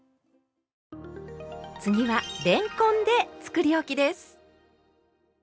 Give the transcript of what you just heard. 次はれんこんでつくりおきです。